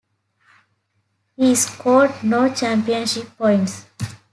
He scored no championship points.